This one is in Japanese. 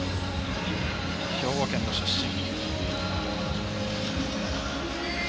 兵庫県の出身。